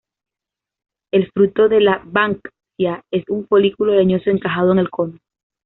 El fruto de la "Banksia" es un folículo leñoso encajado en el "cono".